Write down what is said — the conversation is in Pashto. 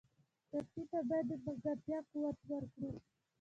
ټپي ته باید د ملګرتیا قوت ورکړو.